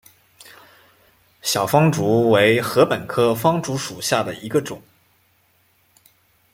小方竹为禾本科方竹属下的一个种。